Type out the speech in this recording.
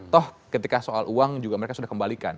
toh ketika soal uang juga mereka sudah kembalikan